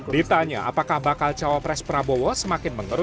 ditanya apakah bakal cawapres prabowo semakin mengerut